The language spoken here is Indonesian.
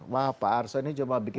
wah pak arso ini coba bikin menyeramkan